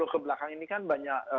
kebelakang ini kan banyak